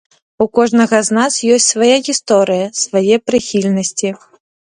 У кожнага з нас ёсць свая гісторыя, свае прыхільнасці.